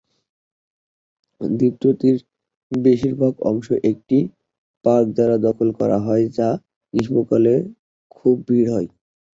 দ্বীপটির বেশিরভাগ অংশ একটি পার্ক দ্বারা দখল করা হয় যা গ্রীষ্মকালে খুব ভিড় হয়।